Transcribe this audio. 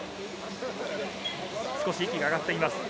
息が上がっています。